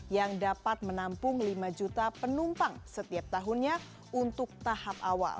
yang dapat menampung lima juta penumpang setiap tahunnya untuk tahap awal